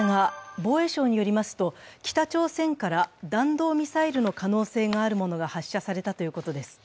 防衛省によりますと北朝鮮から弾道ミサイルの可能性があるものが発射されたということです。